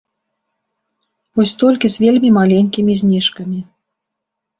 Вось толькі з вельмі маленькімі зніжкамі.